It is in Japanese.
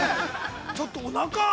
ちょっとおなか。